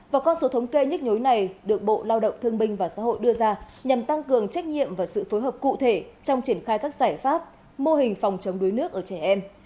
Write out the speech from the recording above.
và con số thống kê nhức nhối này được bộ lao động thương binh và xã hội đưa ra nhằm tăng cường trách nhiệm và sự phối hợp cụ thể trong triển khai các giải pháp mô hình phòng chống đuối nước ở trẻ em